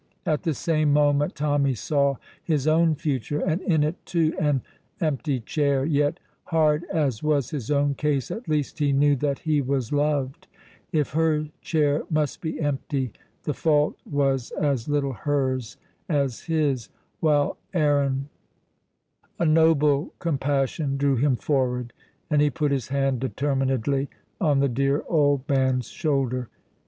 At the same moment Tommy saw his own future, and in it, too, an empty chair. Yet, hard as was his own case, at least he knew that he was loved; if her chair must be empty, the fault was as little hers as his, while Aaron A noble compassion drew him forward, and he put his hand determinedly on the dear old man's shoulder.